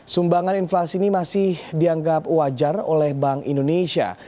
sumbangan inflasi ini masih dianggap wajar oleh bank indonesia